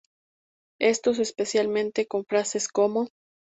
Estos especialmente en frases como.